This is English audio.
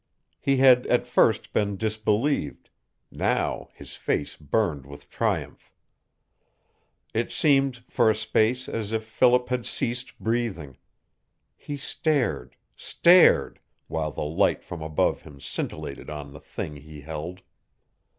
He had at first been disbelieved; now his face burned with triumph. It seemed, for a space, as if Philip had ceased breathing. He stared stared while the light from above him scintillated on the thing he held.